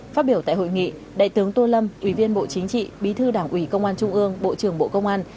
phát biểu tại hội nghị đại tướng tô lâm ủy viên bộ chính trị bí thư đảng ủy công an trung ương bộ trưởng bộ công an